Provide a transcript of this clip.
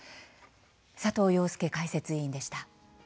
佐藤庸介解説委員でした。